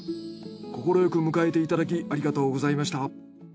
快く迎えていただきありがとうございました。